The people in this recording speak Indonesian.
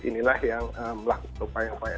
inilah yang melakukan upaya upaya